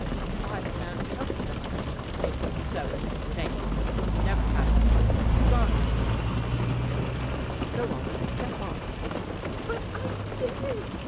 "I can't help that, maybe it's so and maybe it ain't. You never had any money when you got on this train and you know it. Go on, step off!" "But I did!"